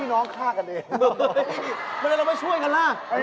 ล็อคแขน